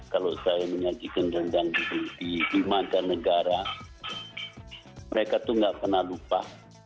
kalau saya menyajikan rendang di mana negara mereka tuh gak pernah lupa